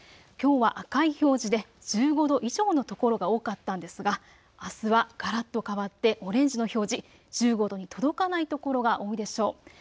きょうは赤い表示で１５度以上の所が多かったんですがあすはがらっと変わってオレンジの表示、１５度に届かない所が多いでしょう。